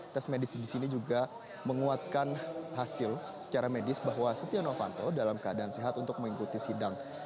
tes medis disini juga menguatkan hasil secara medis bahwa stiano vanto dalam keadaan sehat untuk mengikuti sidang